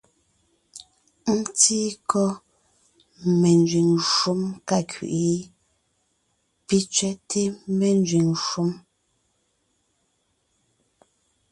Ńtíí kɔ́ menzẅìŋ shúm ka kẅí’i ? Pì tsẅɛ́té ménzẅìŋ shúm.